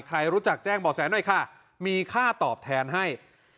ใครรู้จักแจ้งบ่อแสหน่อยค่ะมีค่าตอบแทนให้